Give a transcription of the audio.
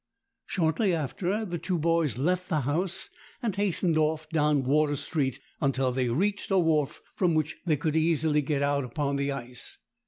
Shortly after, the two boys left the house, and hastened off down Water Street until they reached a wharf from which they could easily get out upon the ice.